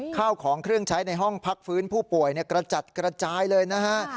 ข้าวของเครื่องใช้ในห้องพักฟื้นผู้ป่วยกระจัดกระจายเลยนะฮะ